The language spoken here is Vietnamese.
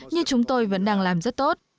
như chúng tôi vẫn đang làm rất tốt